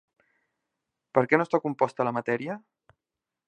Per què no està composta la matèria?